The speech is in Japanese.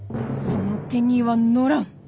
その手には乗らん！